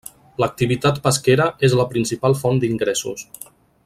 L'activitat pesquera és la principal font d'ingressos.